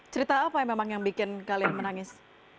cerita apa yang memang yang bikin kalian menangis